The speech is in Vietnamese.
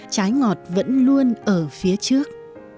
trái ngọt vẫn luôn ở phía trước